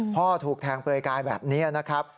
พ่อถูกแทงเปลือยกายแบบนี้นะครับ